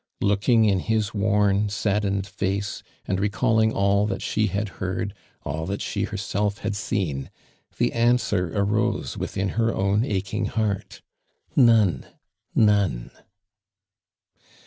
Looking in his worn, saddened fa(;e and recalling all that she had heard, all tluit slie heiselfhad seen, tlie answer aroso witliin her own aching heart — none — none.